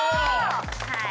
はい。